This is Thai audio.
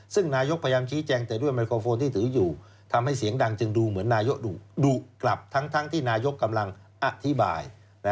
ซึ่งนายกพยายามชี้แจงแต่ด้วยไมโครโฟนที่ถืออยู่ทำให้เสียงดังจึงดูเหมือนนายกดุกลับทั้งที่นายกกำลังอธิบาย